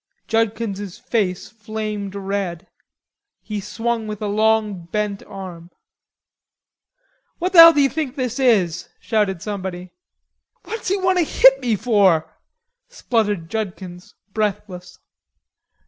Judkins's face flamed red. He swung with a long bent arm. "What the hell d'you think this is?" shouted somebody. "What's he want to hit me for?" spluttered Judkins, breathless.